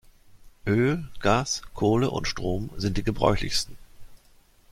Öl, Gas, Kohle und Strom sind die gebräuchlichsten.